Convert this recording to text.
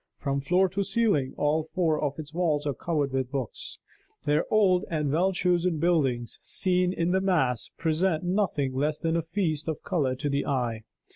From floor to ceiling all four of its walls are covered with books. Their old and well chosen bindings, seen in the mass, present nothing less than a feast of color to the eye.